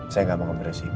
saya gak mau ngeberasik